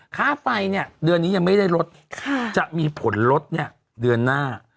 ค่าไฟเนี่ยเดือนนี้ยังไม่ได้ลดจะมีผลลดเนี่ยเดือนหน้า